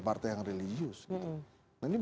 partai yang religius gitu nah ini